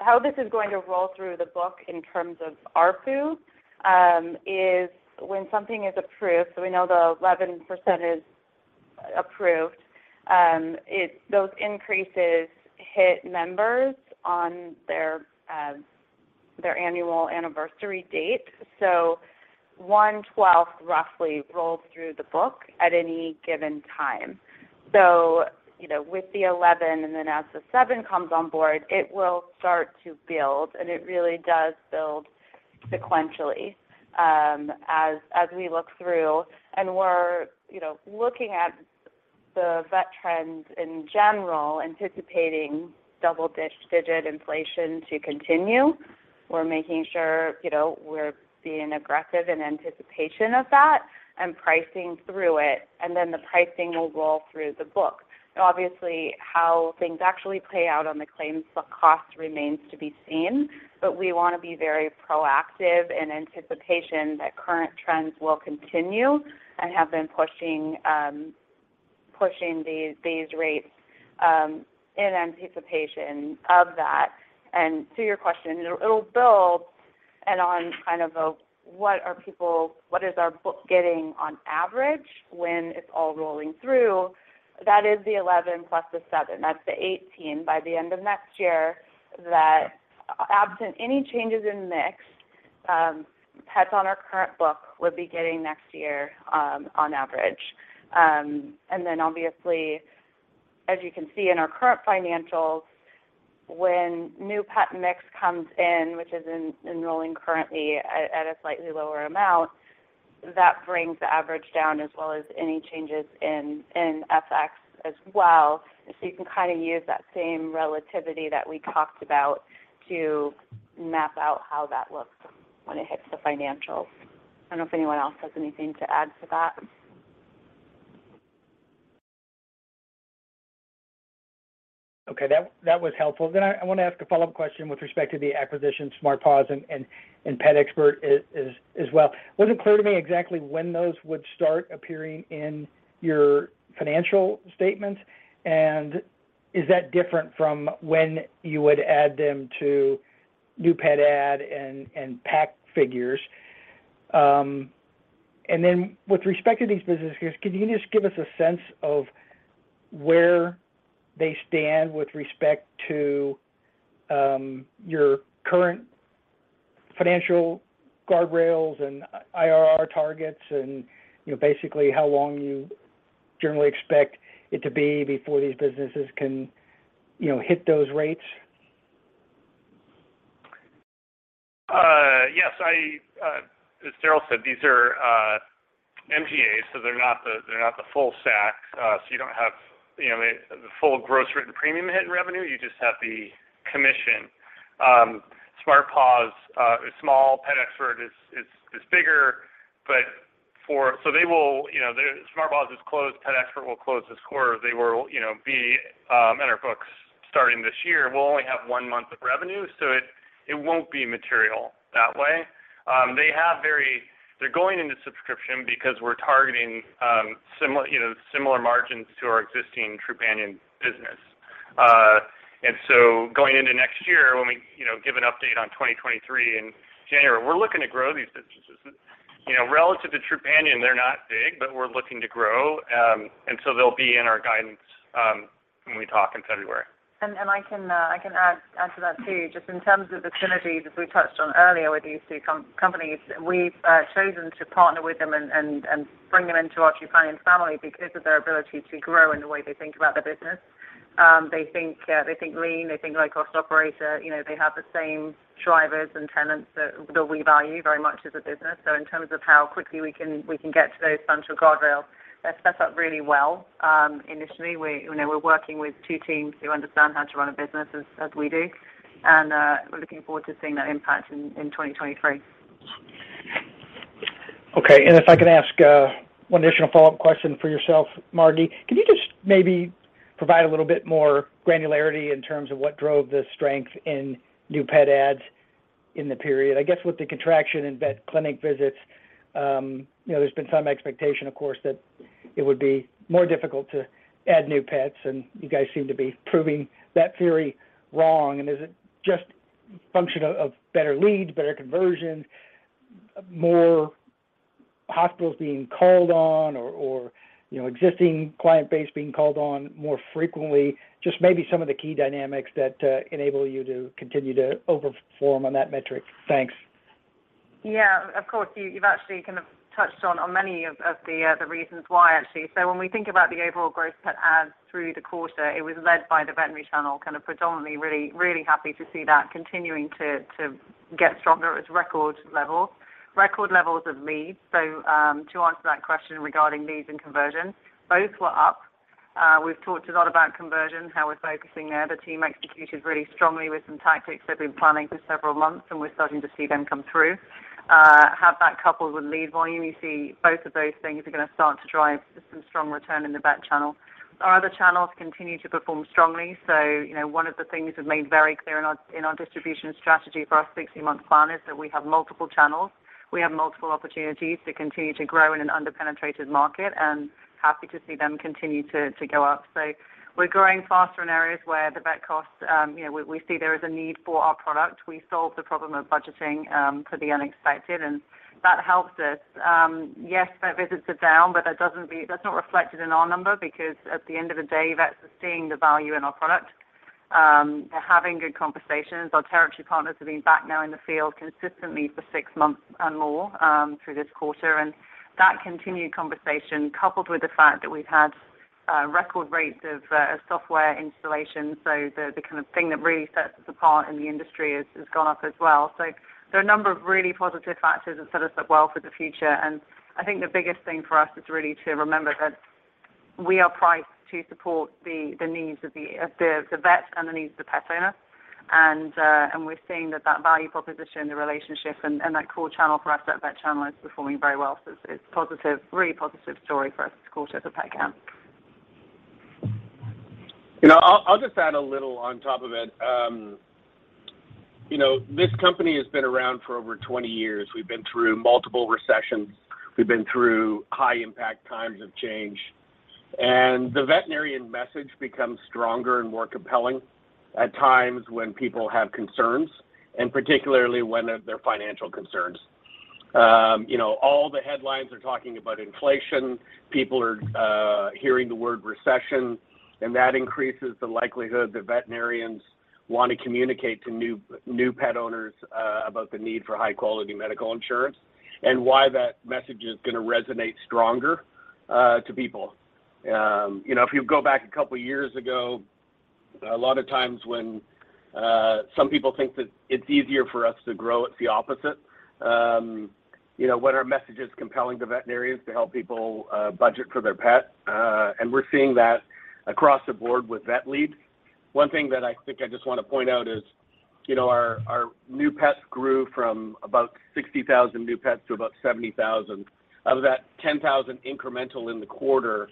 how this is going to roll through the book in terms of ARPU is when something is approved, so we know the 11% is approved, it's those increases hit members on their annual anniversary date. 1/12 roughly rolls through the book at any given time. You know, with the 11%, and then as the 7% comes on board, it will start to build, and it really does build sequentially, as we look through. We're, you know, looking at The vet trends in general, anticipating double-digit inflation to continue. We're making sure, you know, we're being aggressive in anticipation of that and pricing through it, and then the pricing will roll through the book. Now obviously, how things actually play out on the claims, the cost remains to be seen. We wanna be very proactive in anticipation that current trends will continue and have been pushing these rates in anticipation of that. To your question, it'll build. On kind of a, what is our book getting on average when it's all rolling through? That is the 11%+ the 7%. That's the 18 by the end of next year that absent any changes in mix, pets on our current book would be getting next year, on average. Obviously, as you can see in our current financials, when new pet mix comes in, which is enrolling currently at a slightly lower amount, that brings the average down as well as any changes in FX as well. You can kind of use that same relativity that we talked about to map out how that looks when it hits the financials. I don't know if anyone else has anything to add to that. Okay. That was helpful. I wanna ask a follow-up question with respect to the acquisition, Smart Paws and PetExpert as well. It wasn't clear to me exactly when those would start appearing in your financial statements, and is that different from when you would add them to new pet adds and PAC figures? And then with respect to these businesses, can you just give us a sense of where they stand with respect to your current financial guardrails and IRR targets and, you know, basically how long you generally expect it to be before these businesses can, you know, hit those rates? Yes. I, as Darryl said, these are MGAs, so they're not the full stack. So you don't have, you know, the full gross written premium hit in revenue. You just have the commission. Smart Paws is small. PetExpert is bigger. Smart Paws is closed, PetExpert will close this quarter. They will, you know, be in our books starting this year. We'll only have one month of revenue, so it won't be material that way. They're going into subscription because we're targeting similar, you know, similar margins to our existing Trupanion business. Going into next year when we give an update on 2023 in January, we're looking to grow these businesses. You know, relative to Trupanion, they're not big, but we're looking to grow. They'll be in our guidance when we talk in February. I can add to that too. Just in terms of the synergies, as we touched on earlier with these two companies, we've chosen to partner with them and bring them into our Trupanion family because of their ability to grow in the way they think about their business. They think lean, they think low-cost operator. You know, they have the same drivers and tenets that we value very much as a business. In terms of how quickly we can get to those financial guardrails, they're set up really well. Initially, you know, we're working with two teams who understand how to run a business as we do. We're looking forward to seeing that impact in 2023. Okay. If I can ask one additional follow-up question for yourself, Margi. Can you just maybe provide a little bit more granularity in terms of what drove the strength in new pet adds in the period? I guess, with the contraction in vet clinic visits, you know, there's been some expectation, of course, that it would be more difficult to add new pets, and you guys seem to be proving that theory wrong. Is it just function of better leads, better conversion, more hospitals being called on or you know, existing client base being called on more frequently? Just maybe some of the key dynamics that enable you to continue to overperform on that metric. Thanks. Yeah. Of course, you've actually kind of touched on many of the reasons why actually. When we think about the overall growth pet adds through the quarter, it was led by the veterinary channel, kind of predominantly really happy to see that continuing to get stronger at its record level. Record levels of leads. To answer that question regarding leads and conversion, both were up. We've talked a lot about conversion, how we're focusing there. The team executed really strongly with some tactics they've been planning for several months, and we're starting to see them come through. Have that coupled with lead volume, you see both of those things are gonna start to drive just some strong return in the vet channel. Our other channels continue to perform strongly. You know, one of the things we've made very clear in our distribution strategy for our 60-month plan is that we have multiple channels. We have multiple opportunities to continue to grow in an under-penetrated market and happy to see them continue to go up. We're growing faster in areas where the vet costs, you know, we see there is a need for our product. We solve the problem of budgeting for the unexpected, and that helps us. Yes, vet visits are down, but that doesn't mean that's not reflected in our number because at the end of the day, vets are seeing the value in our product. They're having good conversations. Our territory partners have been back now in the field consistently for six months and more through this quarter. That continued conversation, coupled with the fact that we've had record rates of software installation, so the kind of thing that really sets us apart in the industry has gone up as well. There are a number of really positive factors that set us up well for the future. I think the biggest thing for us is really to remember that We are priced to support the needs of the vet and the needs of the pet owner. We're seeing that value proposition, the relationship, and that cool channel for us, that vet channel is performing very well. It's positive, really positive story for us as a quarter for Trupanion. You know, I'll just add a little on top of it. You know, this company has been around for over 20 years. We've been through multiple recessions. We've been through high impact times of change. The veterinarian message becomes stronger and more compelling at times when people have concerns, and particularly when they're financial concerns. You know, all the headlines are talking about inflation. People are hearing the word recession, and that increases the likelihood that veterinarians want to communicate to new pet owners about the need for high-quality medical insurance, and why that message is gonna resonate stronger to people. You know, if you go back a couple of years ago, a lot of times when some people think that it's easier for us to grow, it's the opposite. You know, when our message is compelling to veterinarians to help people budget for their pet and we're seeing that across the board with vet leads. One thing that I think I just wanna point out is, you know, our new pets grew from about 60,000 new pets to about 70,000. Of that 10,000 incremental in the quarter,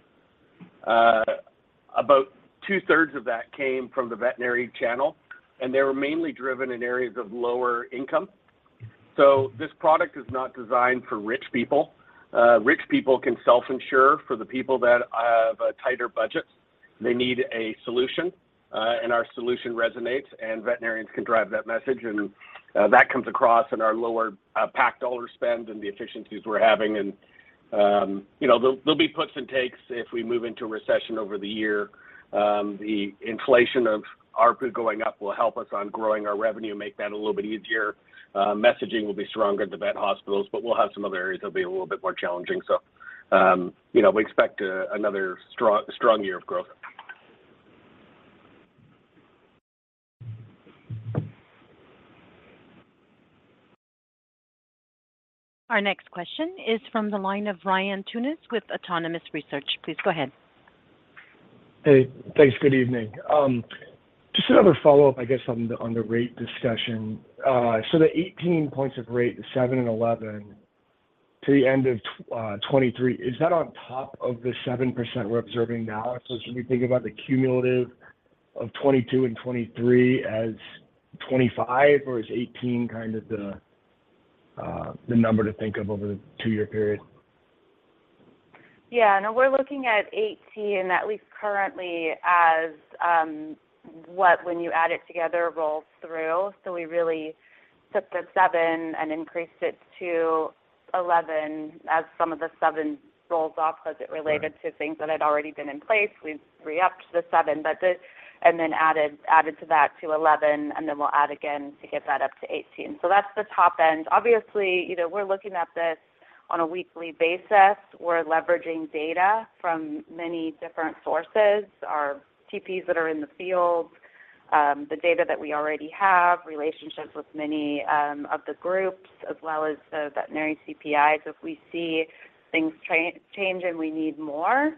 about two-thirds of that came from the veterinary channel, and they were mainly driven in areas of lower income. This product is not designed for rich people. Rich people can self-insure for the people that have a tighter budget. They need a solution and our solution resonates, and veterinarians can drive that message. That comes across in our lower PAC dollar spend and the efficiencies we're having. You know, there'll be puts and takes if we move into recession over the year. The inflation of ARPU going up will help us on growing our revenue, make that a little bit easier. Messaging will be stronger at the vet hospitals, but we'll have some other areas that'll be a little bit more challenging. You know, we expect another strong year of growth. Our next question is from the line of Ryan Tunis with Autonomous Research. Please go ahead. Hey, thanks. Good evening. Just another follow-up, I guess, on the rate discussion. The 18 points of rate, the 7% and 11% to the end of 2023, is that on top of the 7% we're observing now? Should we think about the cumulative of 2022 and 2023 as 25, or is 18 kind of the number to think of over the two-year period? Yeah. No, we're looking at 18, at least currently as what, when you add it together, rolls through. We really took the 7% and increased it to 11% as some of the 7% rolls off because it related to things that had already been in place. We re-upped the 7%, but then added to that to 11%, and then we'll add again to get that up to 18%. That's the top end. Obviously, you know, we're looking at this on a weekly basis. We're leveraging data from many different sources, our TPs that are in the field, the data that we already have, relationships with many of the groups, as well as the veterinary CPIs. If we see things change and we need more,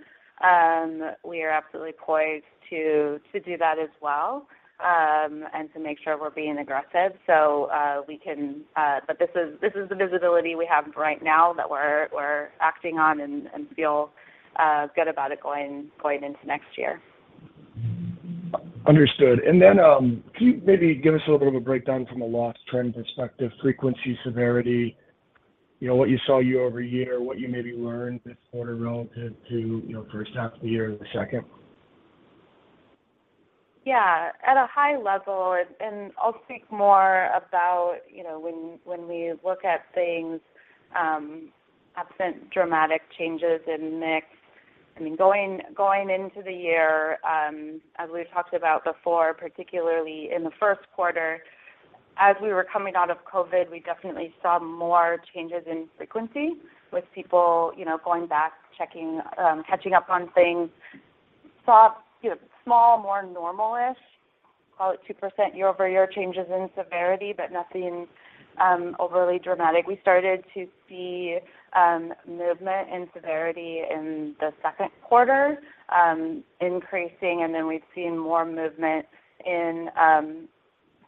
we are absolutely poised to do that as well, and to make sure we're being aggressive. We can. This is the visibility we have right now that we're acting on and feel good about it going into next year. Understood. Can you maybe give us a little bit of a breakdown from a loss trend perspective, frequency, severity, you know, what you saw year-over-year, what you maybe learned this quarter relative to, you know, first half of the year or the second? Yeah. At a high level, and I'll speak more about, you know, when we look at things, absent dramatic changes in mix. I mean, going into the year, as we've talked about before, particularly in the first quarter, as we were coming out of COVID, we definitely saw more changes in frequency with people, you know, going back, checking, catching up on things. Saw you know small more normal-ish, call it 2% year-over-year changes in severity, but nothing overly dramatic. We started to see movement in severity in the second quarter, increasing, and then we've seen more movement in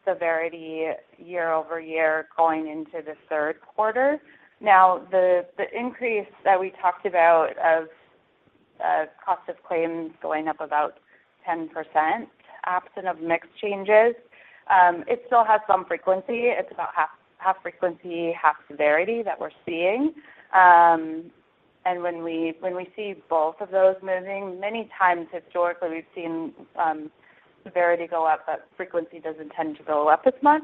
severity year-over-year going into the third quarter. Now, the increase that we talked about of cost of claims going up about 10%, absent of mix changes, it still has some frequency. It's about half frequency, half severity that we're seeing. When we see both of those moving, many times historically, we've seen severity go up, but frequency doesn't tend to go up as much.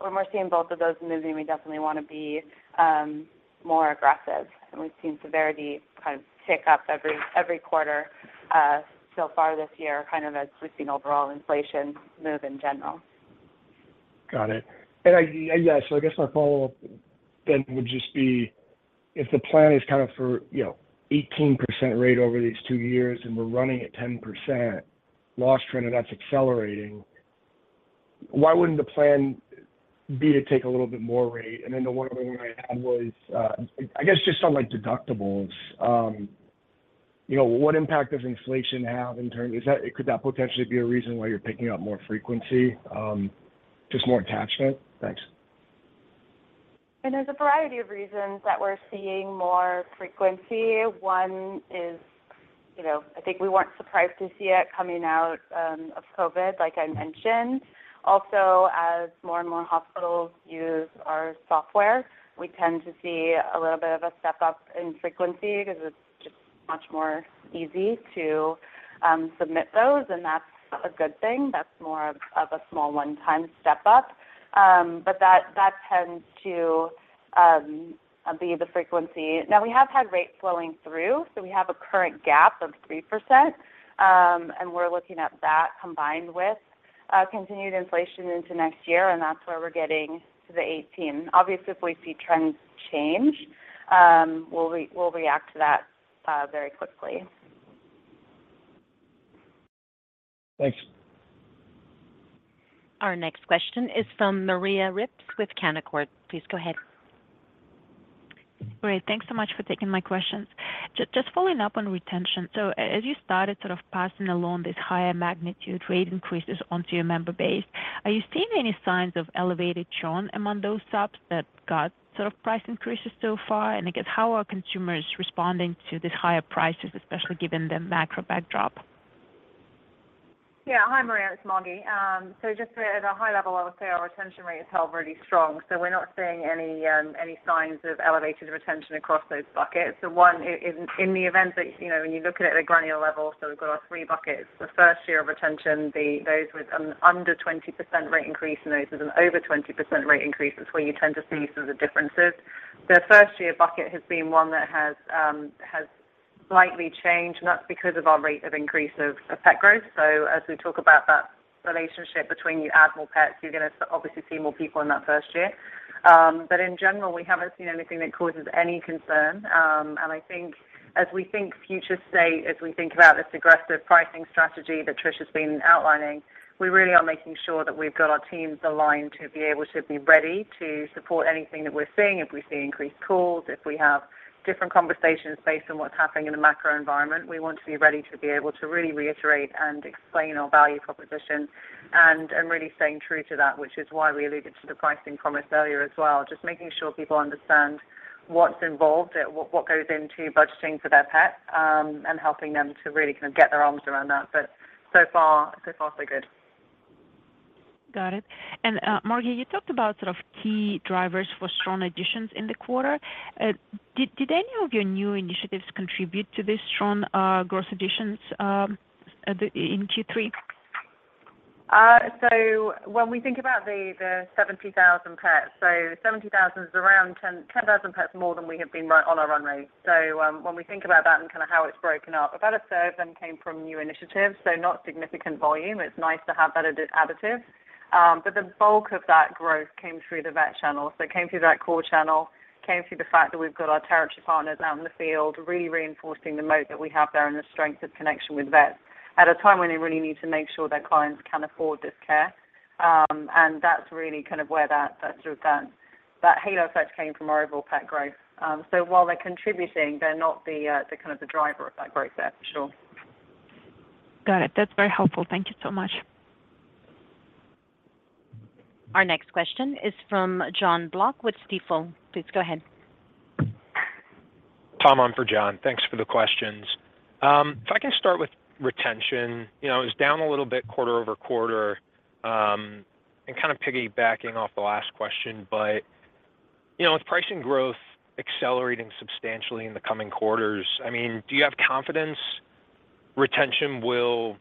When we're seeing both of those moving, we definitely wanna be more aggressive. We've seen severity kind of tick up every quarter so far this year, kind of as we've seen overall inflation move in general. Got it. I, yeah, so I guess my follow-up then would just be if the plan is kind of for, you know, 18% rate over these two years and we're running at 10% loss trend and that's accelerating. Why wouldn't the plan be to take a little bit more rate? The one other thing I had was, I guess just on, like, deductibles, you know, what impact does inflation have? Could that potentially be a reason why you're picking up more frequency, just more attachment? Thanks. There's a variety of reasons that we're seeing more frequency. One is, you know, I think we weren't surprised to see it coming out of COVID, like I mentioned. Also, as more and more hospitals use our software, we tend to see a little bit of a step-up in frequency because it's just much more easy to submit those, and that's a good thing. That's more of a small one-time step up. That tends to be the frequency. Now, we have had rates flowing through, so we have a current gap of 3%, and we're looking at that combined with continued inflation into next year, and that's where we're getting to the 18%. Obviously, if we see trends change, we'll react to that very quickly. Thanks. Our next question is from Maria Ripps with Canaccord. Please go ahead. Great. Thanks so much for taking my questions. Just following up on retention. As you started sort of passing along this higher magnitude rate increases onto your member base, are you seeing any signs of elevated churn among those subs that got sort of price increases so far? And I guess, how are consumers responding to these higher prices, especially given the macro backdrop? Yeah. Hi, Maria, it's Margi. Just at a high level, I would say our retention rate has held really strong, so we're not seeing any signs of elevated retention across those buckets. In the event that, you know, when you look at it at a granular level, we've got our three buckets. The first year of retention, those with under 20% rate increase and those with an over 20% rate increase is where you tend to see some of the differences. The first-year bucket has been one that has slightly changed, and that's because of our rate of increase of pet growth. As we talk about that relationship between you add more pets, you're gonna obviously see more people in that first year. In general, we haven't seen anything that causes any concern. I think as we think future state, as we think about this aggressive pricing strategy that Trish has been outlining, we really are making sure that we've got our teams aligned to be able to be ready to support anything that we're seeing. If we see increased calls, if we have different conversations based on what's happening in the macro environment, we want to be ready to be able to really reiterate and explain our value proposition and really staying true to that, which is why we alluded to the pricing promise earlier as well. Just making sure people understand what's involved, what goes into budgeting for their pet, and helping them to really kind of get their arms around that. So far, so good. Got it. Margi, you talked about sort of key drivers for strong additions in the quarter. Did any of your new initiatives contribute to this strong growth additions in Q3? When we think about the 70,000 pets, 70,000 is around 10,000 pets more than we have been on our run rate. When we think about that and kinda how it's broken up, about a third of them came from new initiatives, so not significant volume. It's nice to have that additive. But the bulk of that growth came through the vet channel. It came through that core channel. It came through the fact that we've got our territory partners out in the field really reinforcing the moat that we have there and the strength of connection with vets at a time when they really need to make sure their clients can afford this care. That's really kind of where that sort of halo effect came from our overall pet growth. While they're contributing, they're not the kind of the driver of that growth there, for sure. Got it. That's very helpful. Thank you so much. Our next question is from Jon Block with Stifel. Please go ahead. Tom, I'm for Jon. Thanks for the questions. If I can start with retention. You know, it was down a little bit quarter-over-quarter, and kind of piggybacking off the last question, but, you know, with pricing growth accelerating substantially in the coming quarters, I mean, do you have confidence retention will, you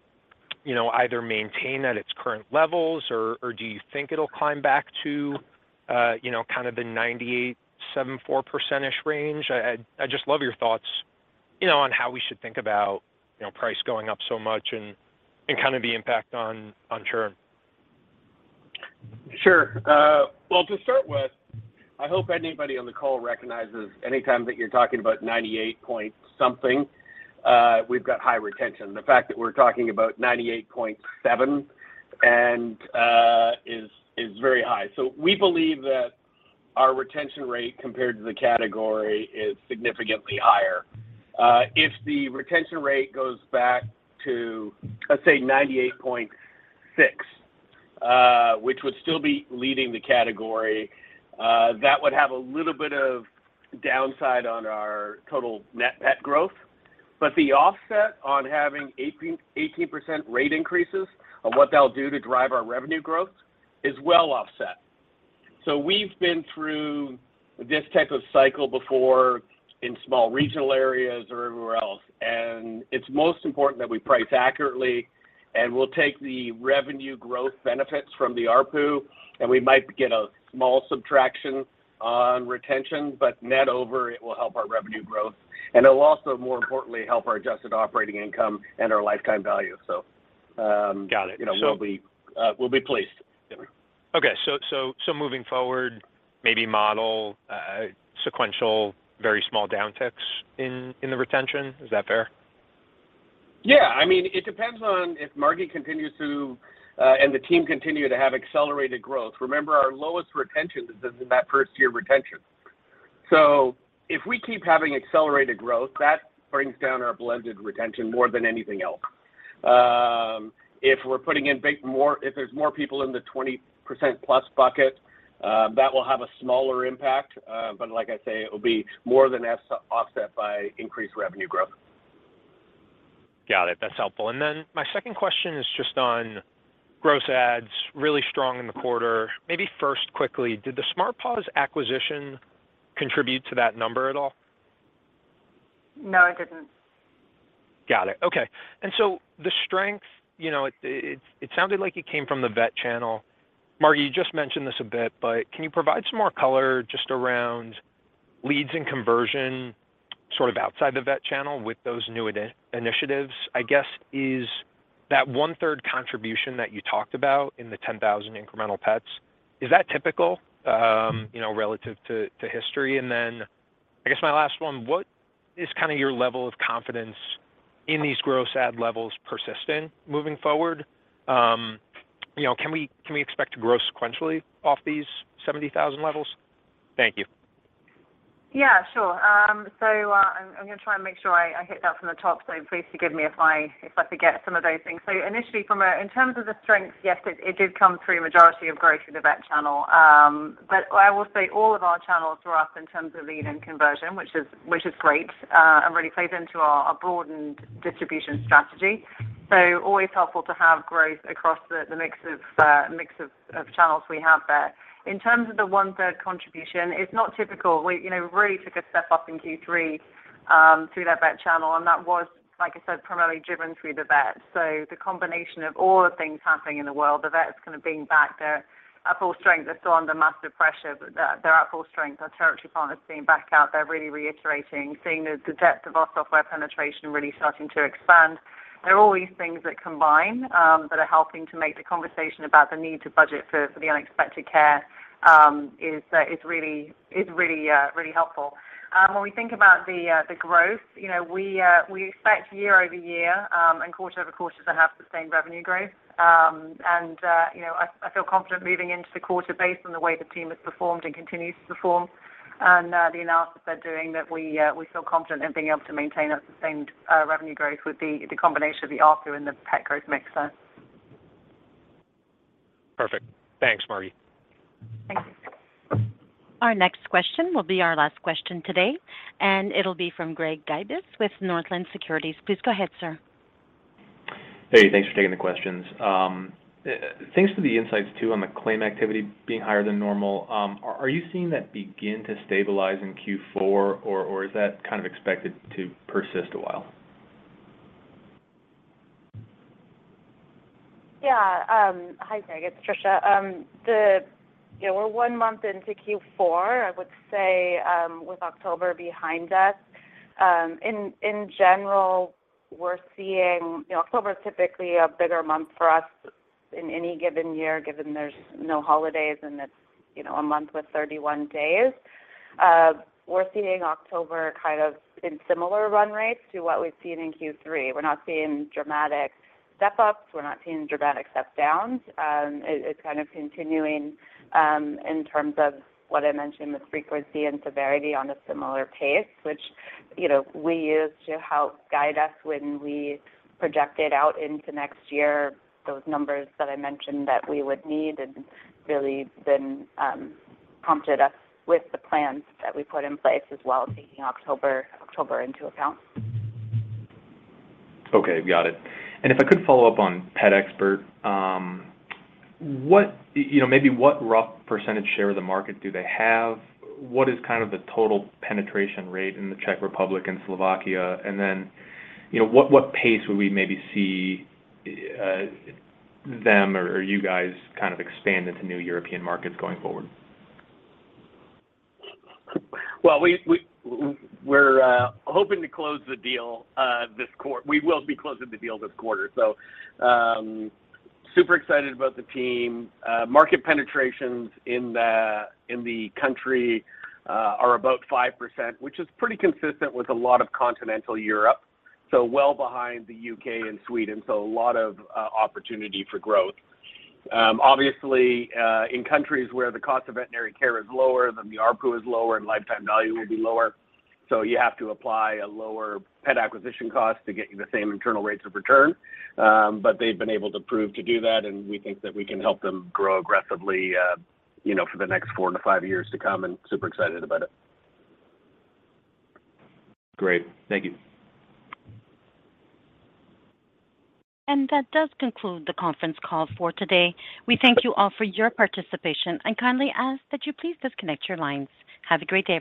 know, either maintain at its current levels or do you think it'll climb back to, you know, kind of the 98.74%-ish range? I'd just love your thoughts, you know, on how we should think about, you know, price going up so much and kind of the impact on churn. Sure. Well, to start with, I hope anybody on the call recognizes anytime that you're talking about 98 point something, we've got high retention. The fact that we're talking about 98.7% is very high. We believe that our retention rate compared to the category is significantly higher. If the retention rate goes back to, let's say, 98.6%, which would still be leading the category, that would have a little bit of downside on our total net pet growth. The offset on having 18% rate increases and what that'll do to drive our revenue growth is well offset. We've been through this type of cycle before in small regional areas or everywhere else, and it's most important that we price accurately, and we'll take the revenue growth benefits from the ARPU, and we might get a small subtraction on retention, but net over, it will help our revenue growth. It'll also, more importantly, help our adjusted operating income and our lifetime value. Got it. You know, we'll be pleased. Yeah. Okay. Moving forward, maybe model sequential very small downticks in the retention. Is that fair? Yeah, I mean, it depends on if Margi continues to and the team continue to have accelerated growth. Remember, our lowest retention is in that first-year retention. If we keep having accelerated growth, that brings down our blended retention more than anything else. If there's more people in the 20%+ bucket, that will have a smaller impact. But like I say, it will be more than offset by increased revenue growth. Got it. That's helpful. My second question is just on gross adds, really strong in the quarter. Maybe first, quickly, did the Smart Paws acquisition contribute to that number at all? No, it didn't. Got it. Okay. The strength, you know, it sounded like it came from the vet channel. Margie, you just mentioned this a bit, but can you provide some more color just around leads and conversion, sort of outside the vet channel with those new initiatives? I guess, is that one-third contribution that you talked about in the 10,000 incremental pets, is that typical, you know, relative to history? I guess my last one, what is kind of your level of confidence in these gross add levels persisting moving forward? You know, can we expect to grow sequentially off these 70,000 levels? Thank you. Yeah, sure. I'm gonna try and make sure I hit that from the top, so please forgive me if I forget some of those things. In terms of the strength, yes, it did come through majority of growth through the vet channel. But I will say all of our channels were up in terms of lead and conversion, which is great, and really plays into our broadened distribution strategy. Always helpful to have growth across the mix of channels we have there. In terms of the 1/3 contribution, it's not typical. We, you know, really took a step up in Q3 through that vet channel, and that was, like I said, primarily driven through the vets. The combination of all the things happening in the world, the vets kind of being back, they're at full strength. They're still under massive pressure, but they're at full strength. Our territory partners being back out there, really reiterating, seeing the depth of our software penetration really starting to expand. There are all these things that combine that are helping to make the conversation about the need to budget for the unexpected care is really helpful. When we think about the growth, you know, we expect year-over-year and quarter-over-quarter to have sustained revenue growth. You know, I feel confident moving into the quarter based on the way the team has performed and continues to perform and the analysis they're doing that we feel confident in being able to maintain that sustained revenue growth with the combination of the ARPU and the pet growth mix. Perfect. Thanks, Margi. Thank you. Our next question will be our last question today, and it'll be from Greg Gibas with Northland Securities. Please go ahead, sir. Hey, thanks for taking the questions. Thanks for the insights too, on the claim activity being higher than normal. Are you seeing that begin to stabilize in Q4, or is that kind of expected to persist a while? Yeah. Hi, Greg, it's Tricia. You know, we're one month into Q4, I would say, with October behind us. In general, we're seeing. You know, October is typically a bigger month for us in any given year, given there's no holidays and it's, you know, a month with 31 days. We're seeing October kind of in similar run rates to what we've seen in Q3. We're not seeing dramatic step-ups. We're not seeing dramatic step downs. It's kind of continuing in terms of what I mentioned, the frequency and severity on a similar pace, which, you know, we use to help guide us when we project it out into next year, those numbers that I mentioned that we would need and really been prompted us with the plans that we put in place as well, taking October into account. Okay. Got it. If I could follow up on PetExpert, you know, maybe what rough percentage share of the market do they have? What is kind of the total penetration rate in the Czech Republic and Slovakia? Then, you know, what pace would we maybe see them or you guys kind of expand into new European markets going forward? We're hoping to close the deal this quarter, so super excited about the team. Market penetrations in the country are about 5%, which is pretty consistent with a lot of continental Europe, so well behind the U.K. and Sweden, so a lot of opportunity for growth. Obviously, in countries where the cost of veterinary care is lower, then the ARPU is lower and lifetime value will be lower. You have to apply a lower pet acquisition cost to get you the same internal rates of return. They've been able to prove to do that, and we think that we can help them grow aggressively, you know, for the next 4-5 years to come, and super excited about it. Great. Thank you. That does conclude the conference call for today. We thank you all for your participation and kindly ask that you please disconnect your lines. Have a great day, everyone.